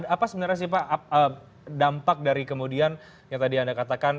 apa sebenarnya sih pak dampak dari kemudian yang tadi anda katakan